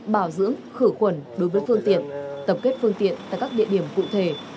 bảo dưỡng khử khuẩn đối với phương tiện tập kết phương tiện tại các địa điểm cụ thể